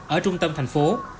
ở trung tâm thành phố